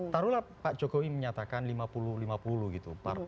taruhlah pak jokowi menyatakan lima puluh lima puluh gitu